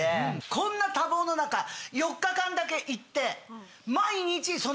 こんな多忙の中４日間だけ行って。